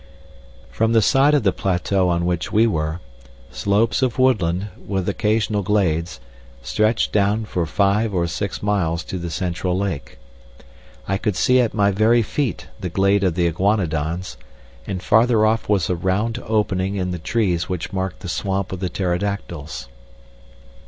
From the side of the plateau on which we were, slopes of woodland, with occasional glades, stretched down for five or six miles to the central lake. I could see at my very feet the glade of the iguanodons, and farther off was a round opening in the trees which marked the swamp of the pterodactyls.